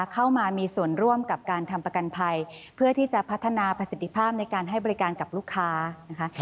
เข้ามามีส่วนร่วมกับการทำประกันภัยเพื่อที่จะพัฒนาประสิทธิภาพในการให้บริการกับลูกค้านะคะ